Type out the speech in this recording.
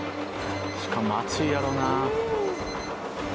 しかも熱いやろな。